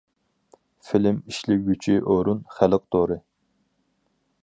فىلىم ئىشلىگۈچى ئورۇن: خەلق تورى.